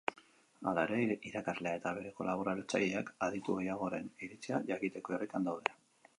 Hala ere, irakaslea eta bere kolaboratzaileak aditu gehiagoren iritzia jakiteko irrikan daude.